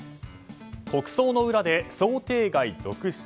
国葬の裏で想定外続出。